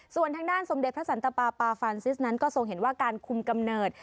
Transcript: ส่วนทางด้านสมเด็จพระสันตปาปาฟานซิสนั้นก็ทรงเห็นว่าการคุมกำเนิด